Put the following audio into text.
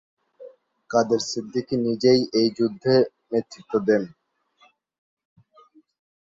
কাদের সিদ্দিকী নিজেই এই যুদ্ধে নেতৃত্ব দেন।